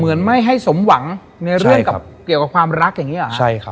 เหมือนไม่ให้สมหวังในเรื่องเกี่ยวกับความรักอย่างนี้หรอใช่ครับ